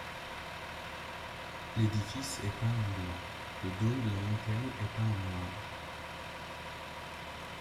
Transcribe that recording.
L'édifice est peint en blanc, le dôme de la lanterne est peint en noir.